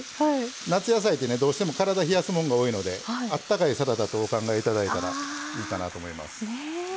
夏野菜ってねどうしても体冷やすもんが多いのであったかいサラダとお考えいただいたらいいかなと思います。